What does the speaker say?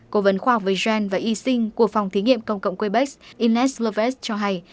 cố vấn khoa học và y sinh của phòng thí nghiệm công cộng quebec ines loves cho hay